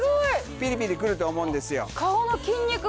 ピリピリくると思うんですよ。